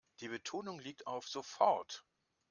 Die Betonung liegt auf sofort.